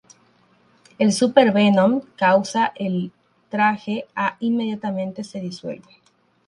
El "super venom" causa el traje a inmediatamente se disuelve.